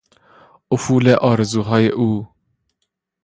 افول آرزوهای او